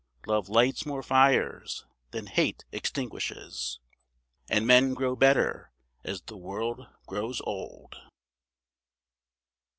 Love lights more fires than hate extinguishes, And men grow better as the world grows old.